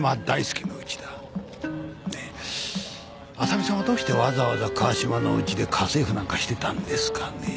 あさみさんはどうしてわざわざ川嶋のうちで家政婦なんかしてたんですかね？